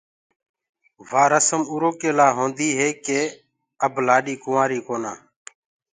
وآ رسم اُرو ڪي لاهونديٚ هي تو ڪي اب لآڏي ڪنوآرئ ڪونآ۔